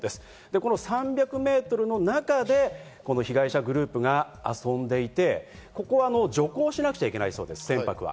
この３００ｍの中で被害者グループが遊んでいて、ここは徐行しなくちゃいけないそうです、船舶は。